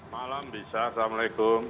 malam bisa assalamualaikum